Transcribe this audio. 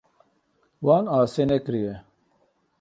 Wan asê nekiriye.